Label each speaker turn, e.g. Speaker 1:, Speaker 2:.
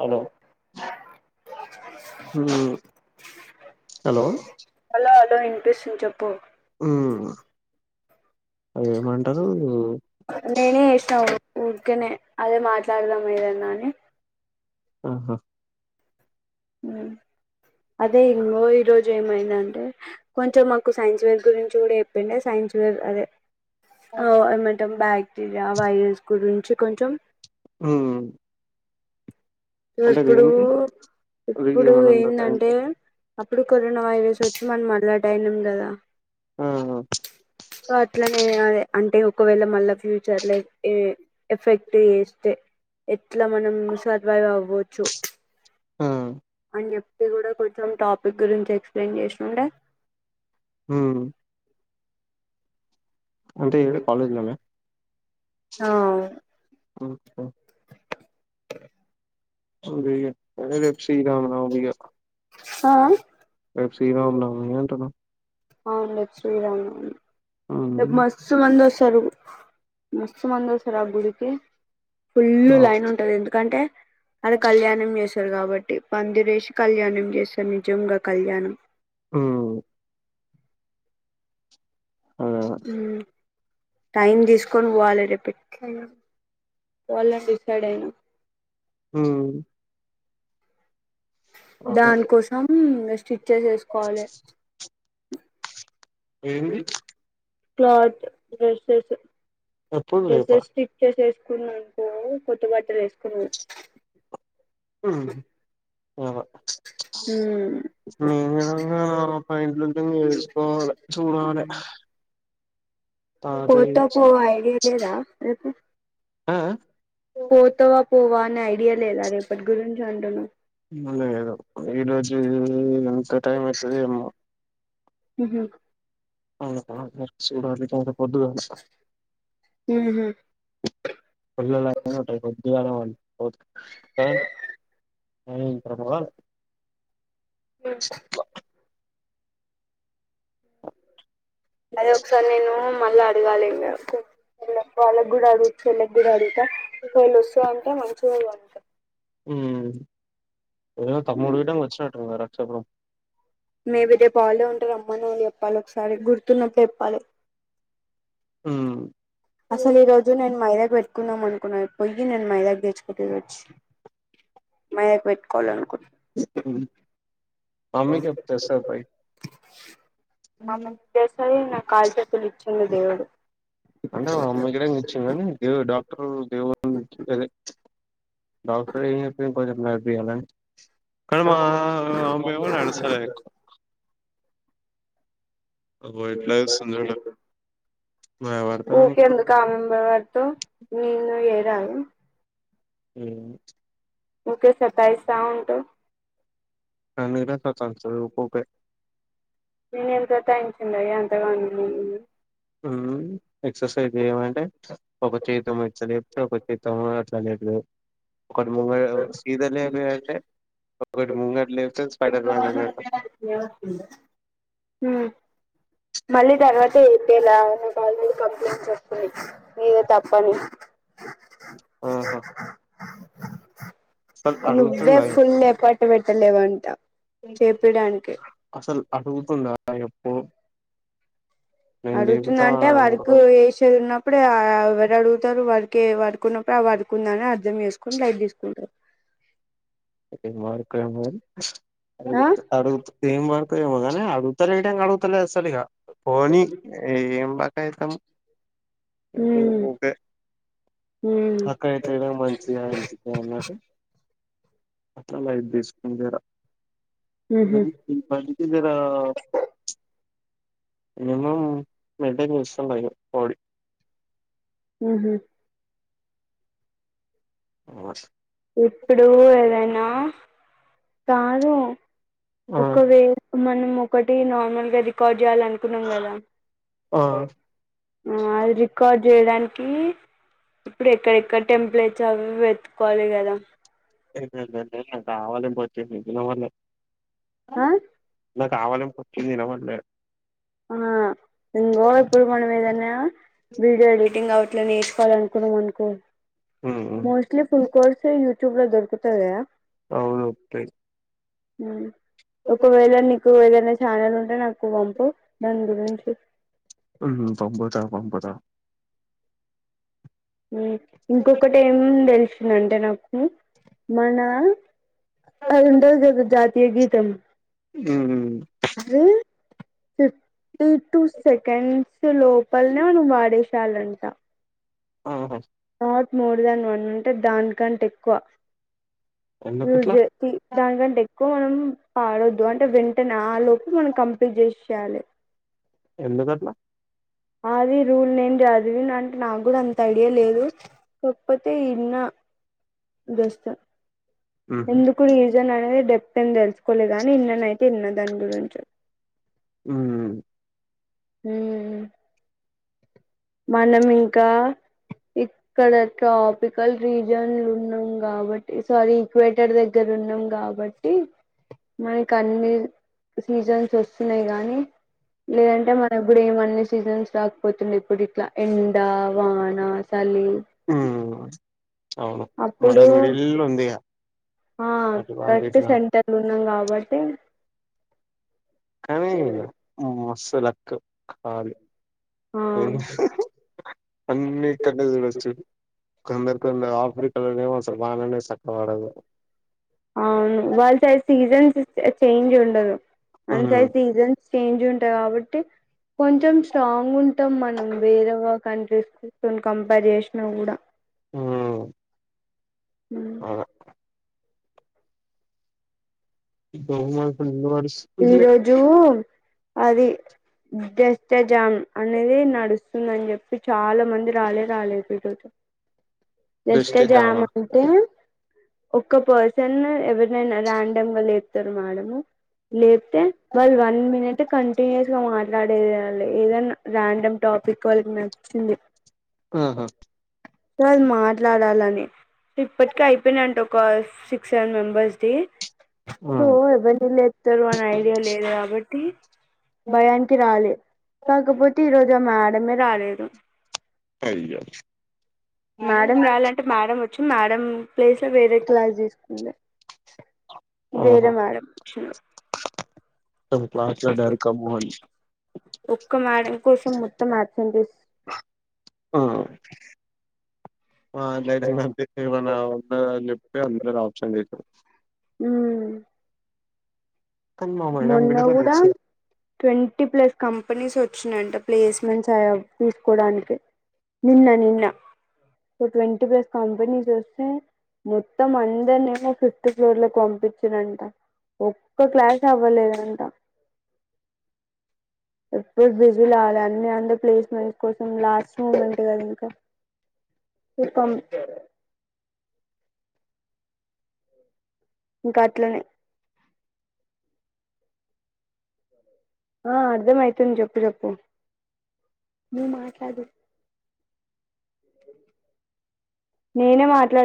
Speaker 1: Hello హమ్ hello
Speaker 2: ప్రశ్నించకు పో
Speaker 1: హ్మ్.
Speaker 2: హ్మ్మ్
Speaker 1: అదేమంటారు
Speaker 2: ఒరే నీ ఎసలో ఊరికనే అదే మాట్లాడదాం ఏదన్నా అని
Speaker 1: ఆహా
Speaker 2: హ్మ్ అదే ఇంగ ఈరోజు ఏమైందంటే కొంచెం మాకు సైన్స్ వేర్ గురించి కూడా చెప్పిండే సైన్స్ వేర్ అదే ఔవ్ ఎం ఎన్ తం బాక్టీరియా వైరస్ గురించి కొంచెం
Speaker 1: హ్మ్
Speaker 2: సో
Speaker 1: అంటే
Speaker 2: ఇప్పుడు
Speaker 1: దేనికి?
Speaker 2: ఇప్పుడు
Speaker 1: రీఏమనంటారు
Speaker 2: ఏందంటే
Speaker 1: అంటే
Speaker 2: అప్పుడు కరోనా వైరస్ వచ్చి మనం అలర్ట్ అయినాము కదా
Speaker 1: ఆ!
Speaker 2: ఒ అట్లనే అదే అంటే ఒకవేళ మళ్ళా ఫ్యూచర్లో ఏ ఎఫెక్ట్ చేస్తే ఎట్లా మనం స్వర్ వైవ్ అవచ్చు
Speaker 1: ఆ!
Speaker 2: మీరు ఎప్పుడు కూడ కొంచెం టాపిక్ గురించి ఎక్స్ప్లెయిన్ చేసిన గూడ
Speaker 1: హ్మ్ అంటే ఇబుడు కాలేజ్ లేద
Speaker 2: ఆ
Speaker 1: ఒకే చూదేయు ఒగే రేప్ శ్రీరామనవమి గ
Speaker 2: ఆ
Speaker 1: రేప్ శ్రీరామనవమి అంటున
Speaker 2: అవును రేప్ శ్రీరామనవమి
Speaker 1: హ్మ్.
Speaker 2: రేప్ మస్తు మందొస్ తరు మస్తు మంది వస్తర ఆ గుడికి ఫుల్లు
Speaker 1: ఓహ్!
Speaker 2: లైన్ ఉంటది ఎందుకంటే అది కళ్యాణం జెస్ స్తరు కాబట్టి పందిరేసి కళ్యాణం జేస్తరు నిజంగ కళ్యాణం
Speaker 1: హ్మ్ అదే అదే.
Speaker 2: హ్మ్ టైం తీసుకొని పోవాలి రేపట్ పోవాలని డిసైడ్ అయిన
Speaker 1: హ్మ్మ్
Speaker 2: దాని కోసం చ్చె జేసుకోవాలె
Speaker 1: ఏంది
Speaker 2: క్లాత్ డ్రస్సెస్
Speaker 1: ఎప్పుడు రేపా?
Speaker 2: డ్రస్సెస్ స్టిచ్ చేసేస్ కున్నా అనుకో కొత్తబట్టలు వేసుకున్నా
Speaker 1: ఉమ్మ్
Speaker 2: పోవచ్చు
Speaker 1: [unintelligible] [unintelligible] చూడాలి తాతయ్య
Speaker 2: పోతా పో ఐడియా లేదా రేపు
Speaker 1: ఆ ఆ
Speaker 2: పోతవా పోవా నా ఐడియా లేదా రేపటి గురించి అంటున్నా
Speaker 1: మల్లగద ఈ రోజు [inaudible] కా టైం వస్తదో ఏమో
Speaker 2: ఊహూ
Speaker 1: వాళ్ళ [inaudible] చూడాలి కదా పొద్దుగాల
Speaker 2: ఉహు
Speaker 1: పిల్లలు అలవాటు [inaudible] ఓక్ ఏంటి ఏమైంది పరపరవాల
Speaker 2: ఉ అది ఒకసారి నేను మళ్ళీ అడగాలి [inaudible] వాళ్ళకి కూడా అడగుచ్చు వీళ్ళకి కూడా వస్తుది [inaudible] అంటే మంచిగా అంటారు
Speaker 1: ఉమ్మ్ ఏదో తమ్ముడు వీటంగా వచ్చినట్టున్నరా చెప్పు
Speaker 2: మేబీ రేపు వాళ్ళే ఉంటారు అమ్మను [inaudible] చెప్పాలి ఒకసారి గుర్తున్నట్లు చెప్పాలి
Speaker 1: ఉమ్మ్
Speaker 2: అసలు ఈ రోజు నేను మైదా పెట్టుకుందాం అనుకున్నా పొయ్యి నేను మైదాకు తెచ్చుకుంటేది వచ్చి మైదాకు పెట్టుకోవాలి అనుకున్
Speaker 1: ఉమ్మ్ మమ్మీ కి చెప్ తెస్తాది పోయి
Speaker 2: [unintelligible] ఆమ్మ ముగ్గేస్తది [inaudible] కాళ్ళు చేతులు ఇచ్చింది దేవుడు
Speaker 1: అన్న అమ్మ ఇక్కడ కూర్చున్నాది ఇదో డా రు ఏమైం అదే డాక్టర్ ఎమ్ చెప్పరు కొంచెం నడిపియాల అని అగో ఎట్లా చేస్తుంది చూడు భయపడతా
Speaker 2: ఊకె
Speaker 1: అనుకున్న
Speaker 2: ఎందుకు ఆమె మీద పడుతావ్ హ్మ్ నువ్వు పోయి రా
Speaker 1: హ్మ్
Speaker 2: ఊకె సతాయిస్తా ఉంటావ్
Speaker 1: [inaudible] ఉకు ఊకె
Speaker 2: నేను ఎంత టైం చున్న ఎంతమాములు
Speaker 1: హ్మ్ ఎక్సర్సిస్ చేయమంటే ఒక చేతేమో ఇట్ల లేపుతావా ఒక చేతేమో అట్ల లేపినావ్ ఒకటి ముంగడు సీత లేపినా అయితే ఒకటి ముంగడు లేపితే స్పడర్మాన్ అనటు
Speaker 2: హ్మ్ మళ్ళీ తర్వాత ఏప్పలా నికు ఆల్రెడీ కంప్లైంట్ చెపింది ఇయో తప్పదు
Speaker 1: ఆహా అసలు
Speaker 2: నువ్వే
Speaker 1: అడుగుతుందా
Speaker 2: ఫుల్ ఎఫర్ట్ పెట్ లే వంటా చేపిడానికే
Speaker 1: అసలు అడుగుతుందా నాకు
Speaker 2: అడుగుతుందా అంటా
Speaker 1: అనుకో
Speaker 2: వర్కు చేసేది ఉన్నప్పుడు అ ఎవరు అడుగు తారు వడికే వాడుకున్నప్పుడు ఆవాడుకుందానే అర్థం చేేసుకొని లైట్ తీసుకుంటారు
Speaker 1: నాతోని గాలే కమల్
Speaker 2: ఆ
Speaker 1: అడుగుత్ అడుత్ ఎమ్ వాడుకున్న ఏమో గాని అడుగుత అడుగుతలేదు అస్సలిగా పోనీ ఏం బ ఐతము ఇ ఓ
Speaker 2: హ్మ్
Speaker 1: ఓకే
Speaker 2: హ్మ్
Speaker 1: అక్కడతేడలు మొలిచ్చినాయి అనిపితాంది నాకు అట్లా లైట్ తీసుకున్నరా
Speaker 2: ఊహూ
Speaker 1: ఇ ఈ పని జరా మినిమమ్ వంట చేస్తా నేను పొడి
Speaker 2: ఉహుం
Speaker 1: [inaudible]
Speaker 2: ఇప్పుడు ఏదైనా కాదు
Speaker 1: ఆ
Speaker 2: ఒక్కవేర్ మనం ఒకటి నార్మల్ గా రికార్డ్ చేయాల అనుకున్నాం కదా
Speaker 1: ఆ
Speaker 2: అ ఆ అది రికార్డ్ చేయడానికి ఇప్పుడు ఎక్కడెక్కడ టెంపుల్ చ అవి ఇవి వెతుకోవాలి గ దా
Speaker 1: ఎంటెంటేంటే నాకు ఆవాలింపు పోచ్చింది వినపడలే
Speaker 2: అ
Speaker 1: నాకు ఆవాలింపు వచ్చింది వినపడలే
Speaker 2: ఆ ఇంగో ఇప్పుడు మనం ఏదైనా వీడియో ఎడిటింగ్ అవుట్ ఇట్లా నేర్చుకోవాలి అనుకున్నాం అనుకో మోస్ట్లి ఫుల్ కోర్సు ఎ యూట్యుబ్లో దొరుకుతాయా
Speaker 1: అవును ఓత్తయ్
Speaker 2: ఉం ఒకవేళ నీకు ఎదైన చానల్ ఉంటే నాకు వంపు దాని గురించి
Speaker 1: ఉం పంపుతా పంపుతా
Speaker 2: ఇంకొకటి ఏం ఉండేది మన్నంటే నాకు మండదా అది ఉంటది కదా జా ఇ గీతం
Speaker 1: ఉం
Speaker 2: రే ఫిఫ్టీ టు సెకండ్స్ లోపలనే మనం వాడేషెయాలంట
Speaker 1: ఆహా
Speaker 2: నాట్ మోర్ దెన్ వన్ అంటే దానికంటే ఎక్కువ
Speaker 1: ఎందుకట్లా
Speaker 2: యూస్ తి దాని కంటే ఎక్కువ మనం పాడొద్దు అంటే వెంటనే ఆ లోపు మనం కంపిల్ చేసేయాలే
Speaker 1: ఎందుకట్లా
Speaker 2: అది రూల్ నేను చదివి అంటే నాకు కూడా అంత ఐడియా లేదు కాకపోతే ఇన్న దోస్త
Speaker 1: ఉమ్
Speaker 2: ఎందుకు నీజంగానే డెబ్ ఎం తెలుసుకోలే గాని ఇన్ననైతే ఇన్న దాని గురించి
Speaker 1: ఉం
Speaker 2: ఉమ్ హ్ మనం ఇంకా ఇక్కడ ట్రాపికల్ రీజన్లు ఉన్నాం కాబట్టి సారీ ఈక్వేటర్ దగ్గర ఉన్నాం కాబట్టి మనకి అన్ని సీజన్స్ వస్తున్నాయి గానీ లేదంటే మన ఇప్పుడు ఏమన్ని సీజన్స్ రాకపోతుంది, ఇప్పుడు ఎండా వానా సలీ
Speaker 1: ఉమ్ మల
Speaker 2: అప్పుడు
Speaker 1: మెడిల్ ఉందిగ
Speaker 2: ఆ కరెక్ట్ సెంటర్ ఉం న్నం కాబట్టి
Speaker 1: కవి అస్ సో లక్
Speaker 2: ఆ
Speaker 1: అన్ని ఇక్కన్నే చూడొచ్చు. కొందర్ కొందర్ ఆఫ్రిక లోనే [unintelligible] వాడదు
Speaker 2: అవును వాళ్ ట సీజన్స్ చే చేంజ్ ఉండదు. అంతై
Speaker 1: ఉమ్
Speaker 2: సీజన్స్ చేంజ్ ఉంటది కాబట్టి, కొంచెం స్ట్రాంగ్ ఉంటాం మనం, వేరేవ కంట్రీస్ కంపేర్ చేసినా కూడా
Speaker 1: ఆ
Speaker 2: ఉమ్
Speaker 1: బహుమాసం నిన్న వాడు
Speaker 2: ఈ రోజు అది జస్ట్ ఎ జామ్ అనేది నడుస్తుందని చెప్పి చాలా మంది రాలే రాలేదు ఈరోజు జస్ట్ ఎ
Speaker 1: దిష్టి దామ
Speaker 2: జామ్ అంటే ఒక్క పర్సన్ ఎవర్ నన్ను ర్యాండం గా లేపుతరు మాడము లేప్తే వల్ వన్ మినిటు కంటిన్యూస్ గా మాట్లాడేది వాళ్ళు ఏదన్న ర్యాండమ్ టాపిక్ వాళ్ళకి నచ్చింది.
Speaker 1: ఆహా
Speaker 2: సార్ మాట్లాడాలని సో ఇప్పటికి అయిపోయినయంట ఒక సిక్స్ సెవెన్ మెంబర్స్ ది.
Speaker 1: ఆ
Speaker 2: సో ఎవర్ని లెట్ తరువాత్ ఐడియా లేదు కాబట్టి భయానికి రాలే కాకపోతే ఈరోజ్ గ మేడమే రాలేదు
Speaker 1: పైగా
Speaker 2: మేడం రాలంటే మేడం వచ్చి మేడం ప్లేస్ లో వేరే క్లాస్ తీసు అ వేరే
Speaker 1: ఆహా
Speaker 2: మేడం వ
Speaker 1: పాచ డర్ కమహని
Speaker 2: ఒక్క మేడం కోసం మొత్తం మార్చం తీ
Speaker 1: ఆ లై మ ఉంద చెప్పతే అందరు ఆప్షన్ లే [unintelligible]
Speaker 2: అ
Speaker 1: మేడం
Speaker 2: మొన్న
Speaker 1: కూడా నాకు
Speaker 2: గూడా
Speaker 1: తెలుసు
Speaker 2: ట్వంటీ ప్లస్ కంపెనీస్ వచ్చినయంట ప్లేస్మెంట్స్ తీసుకోడానికి నిన్న నిన్న ట్వంటీ ప్లస్ కంపెనీస్ వస్తే మొత్తం అందర్నేమో ఫిఫ్త్ ఫ్లోర్ లో పంపించంట ఒక్క క్లా అవ్వలేదంట ఎప్పుడు బిజీ వాలదు అన్ని అంద ప్లేస్మె కోసం లాస్ట్ మూమెంట్ కదా ఇంకాం ఇంకా అట్లనే ఆ అర్ధం అయితుంది చెప్పు చెప్పు నువ్వు మాట్లాడు నేనే మాట్లాడ